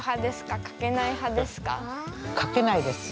かけないです。